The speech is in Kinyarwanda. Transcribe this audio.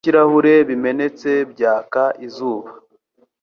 Ibice byikirahure bimenetse byaka izuba.